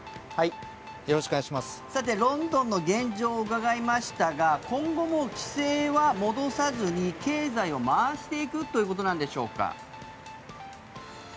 ロンドンの現状を伺いましたが今後も規制は戻さずに経済を回していくということなんでしょうか？